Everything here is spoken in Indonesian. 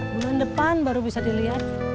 bulan depan baru bisa dilihat